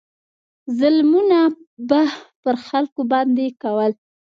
ظلمونه به پر خلکو باندې کول.